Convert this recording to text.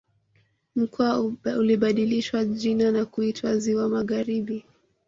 Mkoa ulibadilishwa jina na kuitwa Ziwa Magharibi